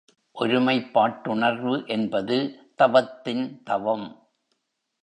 ஒருமைப்பாட்டுணர்வு என்பது தவத்தின் தவம்.